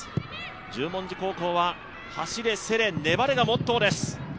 十文字高校は走れ、競れ粘れがモットーです。